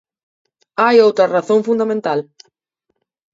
Hai outra razón fundamental.